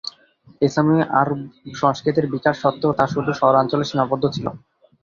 ইসলামি ও আরব সংস্কৃতির বিকাশ সত্ত্বেও তা শুধু শহরাঞ্চলে সীমাবদ্ধ ছিল।